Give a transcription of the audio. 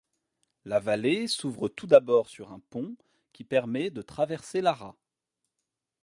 La vallée s'ouvre tout d'abord sur un pont qui permet de traverser l'Ara.